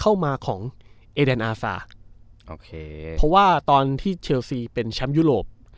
เข้ามาของเอแดนอาซาโอเคเพราะว่าตอนที่เชลซีเป็นแชมป์ยุโรป